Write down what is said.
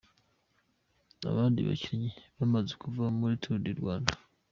Abandi bakinnyi bamaze kuva muri Tour du Rwanda.